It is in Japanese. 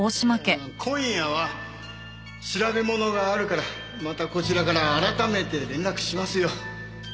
今夜は調べ物があるからまたこちらから改めて連絡しますよ。